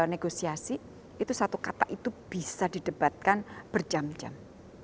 negosiasi itu satu kata itu bisa didebatkan berjam jam